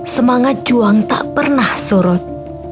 semangat juang tak pernah sorot